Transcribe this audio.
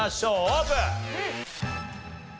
オープン！